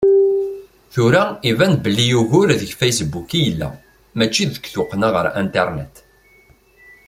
Tura iban belli ugur deg Facebook i yella, mačči deg tuqqna ɣer Internet.